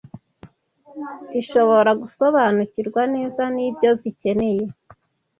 ishobora gusobanukirwa neza n’ibyo zikeneye